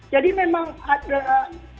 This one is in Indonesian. jadi memang ada